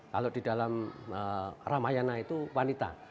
kalau di dalam ramayana itu wanita